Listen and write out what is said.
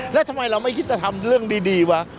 แล้วทำไมเราไม่คิดจะทำเรื่องดีวะ